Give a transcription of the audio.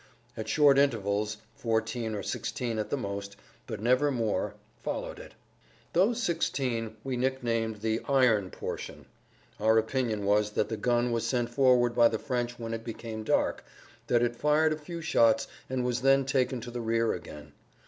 At short intervals, fourteen or sixteen at the most, but never more, followed it. Those sixteen we nicknamed the "iron portion." Our opinion was that the gun was sent forward by the French when it became dark, that it fired a few shots, and was then taken to the rear again.